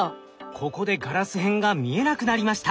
ここでガラス片が見えなくなりました。